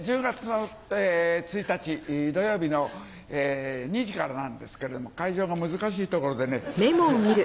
１０月１日土曜日の２時からなんですけれども会場が難しい所でね。